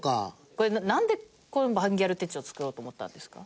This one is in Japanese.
これなんでバンギャル手帳を作ろうと思ったんですか？